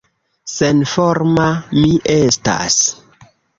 Senforma mi estas!